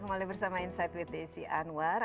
saya mau mulai bersama insight with desy anwar